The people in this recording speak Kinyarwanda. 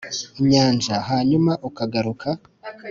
inyanja, hanyuma ukagaruka?